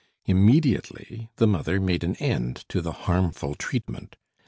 Immediately the mother made an end to the harmful treatment.